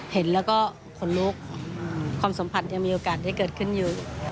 เห็นแล้วก็ขนลุกความสัมผัสยังมีโอกาสได้เกิดขึ้นอยู่